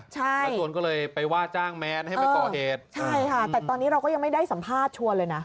ใช่ค่ะใช่ค่ะแต่ตอนนี้เราก็ยังไม่ได้สัมภาษณ์ชวนเลยนะ